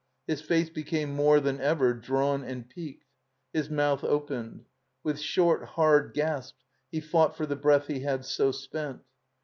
His face became more than ever drawn and peaked. His mouth opened. With short, hard gasps he fought for the breath he had so spent.